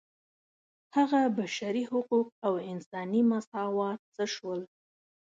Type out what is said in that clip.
هغه بشري حقوق او انساني مساوات څه شول.